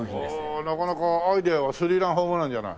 あなかなかアイデアはスリーランホームランじゃない。